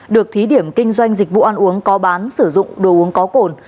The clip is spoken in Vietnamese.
được thí điểm kinh doanh dịch vụ ăn uống có bán sử dụng đồ uống có cồn